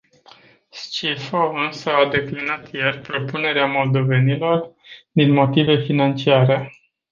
Scifo însă a declinat ieri propunerea moldovenilor, din motive financiare.